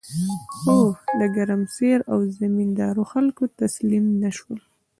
خو د ګرمسیر او زمین داور خلک تسلیم نشول.